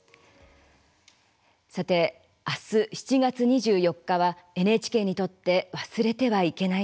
さて明日７月２４日はＮＨＫにとって忘れてはいけない日です。